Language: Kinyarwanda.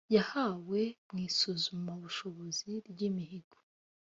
yahawe mu isuzumabushobozi ry imihigo